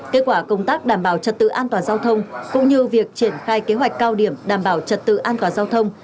kết quả công tác đảm bảo trật tự an toàn giao thông cũng như việc triển khai kế hoạch cao điểm đảm bảo trật tự an toàn giao thông